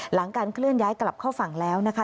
หลังการเคลื่อนย้ายกลับเข้าฝั่งแล้วนะคะ